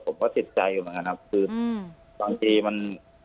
ผมก็ติดใจอยู่เหมือนกันครับคือบางทีมัน